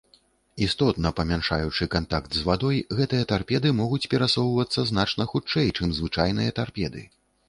Істотна памяншаючы кантакт з вадой, гэтыя тарпеды могуць перасоўвацца значна хутчэй, чым звычайныя тарпеды.